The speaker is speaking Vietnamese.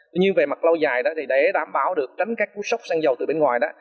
tuy nhiên về mặt lâu dài đó thì để đảm bảo được tránh các cú sốc sang dầu từ bên ngoài đó